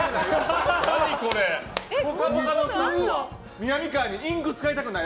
みなみかわにインク使いたくない？